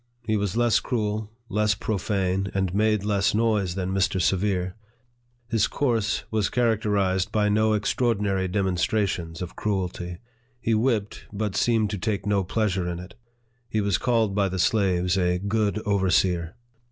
He was less cruel, less profane, and made less noise, than Mr. Severe. His course was characterized by no extraordinary demonstrations of cruelty. He whipped, but seemed to take no pleasure in it. He was called by the slaves a good overseer.